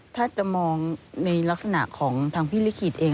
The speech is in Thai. ถ้าจะมองในลักษณะของทางพี่ลิขิตเอง